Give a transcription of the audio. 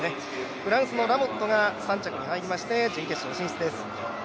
フランスのラモットが３着に入りまして準決勝進出です。